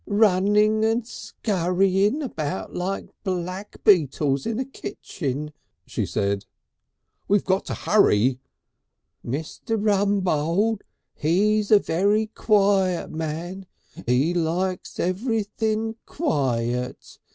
"Runnin' and scurrying about like black beetles in a kitchin," she said. "We've got to hurry." "Mr. Rumbold 'E's a very Quiet man. 'E likes everything Quiet.